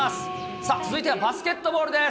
さあ、続いてはバスケットボールです。